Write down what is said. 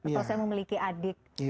atau saya memiliki adik